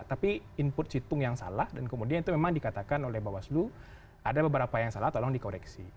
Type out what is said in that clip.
tapi input situng yang salah dan kemudian itu memang dikatakan oleh bawaslu ada beberapa yang salah tolong dikoreksi